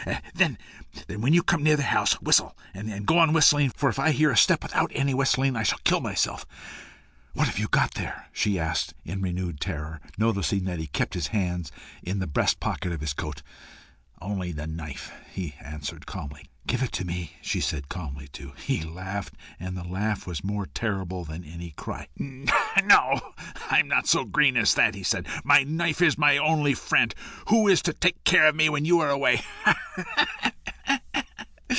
Then, when you come near the house, whistle, and go on whistling, for if I hear a step without any whistling, I shall kill myself." "What have you got there?" she asked in renewed terror, noticing that he kept his hand in the breast pocket of his coat. "Only the knife," he answered calmly. "Give it to me," she said, calmly too. He laughed, and the laugh was more terrible than any cry. "No; I'm not so green as that," he said. "My knife is my only friend! Who is to take care of me when you are away?